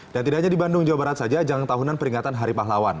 dan tidak hanya di bandung jawa barat saja jangka tahunan peringatan hari pahlawan